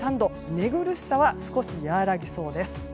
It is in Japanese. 寝苦しさは少し和らぎそうです。